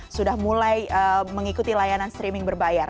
sudah mulai mengikuti layanan streaming berbayar